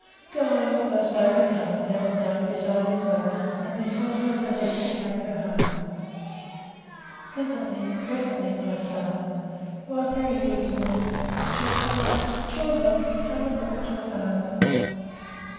Guy, altogether overcome, knelt down beside his mother, and besought her to let him take her home. "Presently presently, my son. You are very good to me; but your father. Children, come in and look at your father."